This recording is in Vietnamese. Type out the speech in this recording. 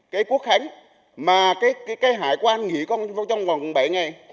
cái quốc khánh mà cái hải quan nghỉ con trong vòng bảy ngày